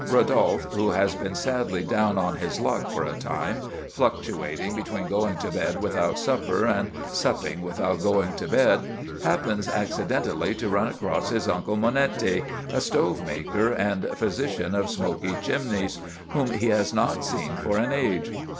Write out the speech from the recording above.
Rodolphe, who has been sadly down on his luck for a time—fluctuating between going to bed without supper and supping without going to bed—happens accidentally to run across his Uncle Monetti, a stove maker and physician of smoky chimneys, whom he has not seen for an age.